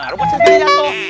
rupa saya jatuh